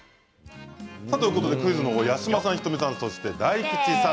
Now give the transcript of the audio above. クイズは八嶋さん仁美さん、大吉さん